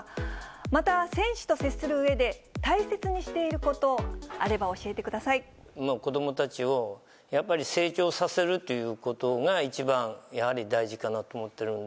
また、選手と接するうえで、大切にしていること、あれば教え子どもたちを、やっぱり成長させるということが一番やはり大事かなと思ってるんで。